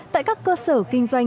tại các cơ sở kinh doanh